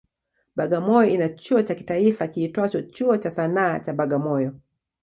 Bagamoyo ina chuo cha kitaifa kiitwacho Chuo cha Sanaa cha Bagamoyo.